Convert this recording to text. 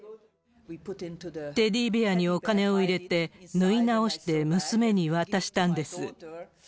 テディベアにお金を入れて、縫い直して娘に渡したんです。